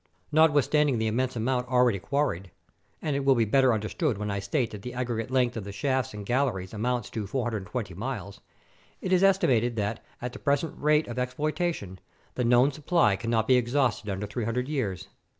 Notwithstanding the immense amount al ready quarried, — and it will be better understood when I state that the aggregate length of the shafts and gal leries amounts to 420 miles, — it is estimated that, at the present rate of exploitation, the known supply can not be exhausted under 300 years.